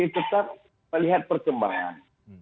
kita masih tetap melihat perkembangan